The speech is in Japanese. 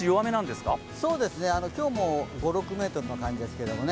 今日も５６メートルの感じですけどね